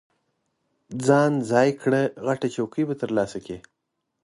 ځان ځای کړه، غټه چوکۍ به ترلاسه کړې.